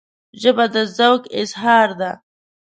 ژبه د ذوق اظهار ده